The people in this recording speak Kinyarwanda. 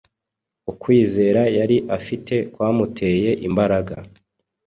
Ukwizera yari afite kwamuteye imbaraga